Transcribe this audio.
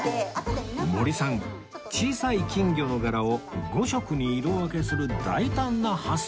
森さん小さい金魚の柄を５色に色分けする大胆な発想